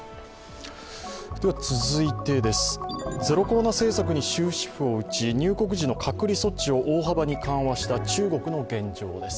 続いて、ゼロコロナ政策に終止符を打ち入国時の隔離措置を大幅に緩和した中国の現状です。